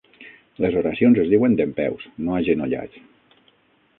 Les oracions es diuen dempeus, no agenollats.